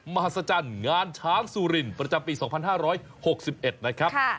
มหัศจรรย์งานช้างสูรินประจำปีสองพันห้าร้อยหกสิบเอ็ดนะครับค่ะ